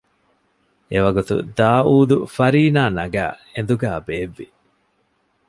އެވަގުތު ދާއޫދު ފަރީނާ ނަގައި އެނދުގައި ބޭއްވި